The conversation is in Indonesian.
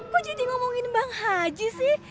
kok jadi ngomongin bang haji sih